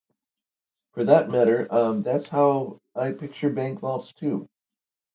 For that matter, that’s how I picture bank vaults too.